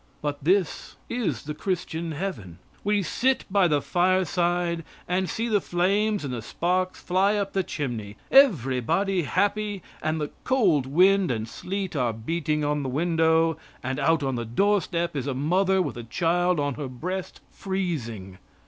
But this is the Christian heaven. We sit by the fireside and see the flames and the sparks fly up the chimney everybody happy, and the cold wind and sleet are beating on the window, and out on the doorstep is a mother with a child on her breast freezing.